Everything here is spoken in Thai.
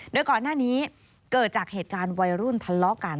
โดยก่อนหน้านี้เกิดจากเหตุการณ์วัยรุ่นทะเลาะกัน